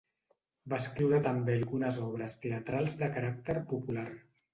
Va escriure també algunes obres teatrals de caràcter popular.